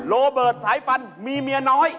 โรเบิร์ตสายฟันมีเมียน้อย